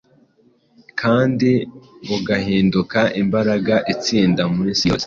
kandi bugahinduka imbaraga itsinda mu isi yose.